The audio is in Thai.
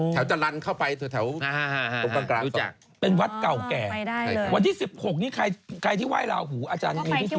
แถวจันรรล์เข้าไปแถวตรงกลาง